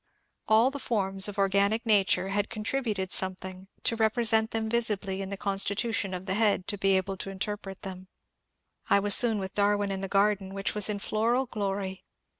All the forms of organic nature had contributed someUiing to repre DARWIN 357 sent them visibly in the constitution of the head able to inter pret them. I was soon with Darwin in the garden, which was in floral glory.